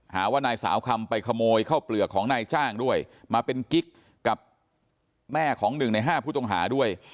หาว่านายสาวคำไปขโมยข้าวเปลือกของนายจ้างด้วยมาเป็นกิ๊กกับแม่ของ๑ใน๕ผู้ต้องหาด้วย